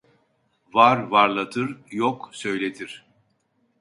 Var varlatır, yok söyletir.